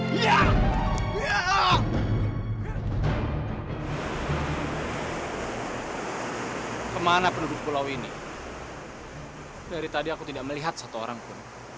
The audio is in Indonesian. kau tidak akan pernah bisa bergerak di bawah cahaya matahari